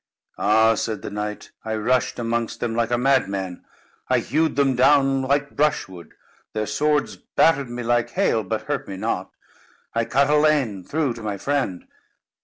"Ah!" said the knight, "I rushed amongst them like a madman. I hewed them down like brushwood. Their swords battered on me like hail, but hurt me not. I cut a lane through to my friend.